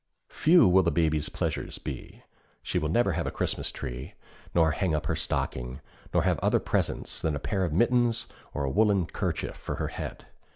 Few will the Baby's pleasures be. She will never have a Christmas tree, nor hang up her stocking, nor have other presents than a pair of mittens or a woolen kerchief for her head.